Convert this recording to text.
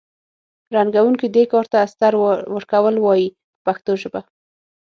رنګوونکي دې کار ته استر ورکول وایي په پښتو ژبه.